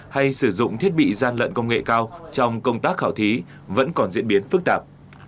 hay sử dụng thiết bị gian lận công nghệ cao trong công tác khảo thí vẫn còn diễn biến phức tạp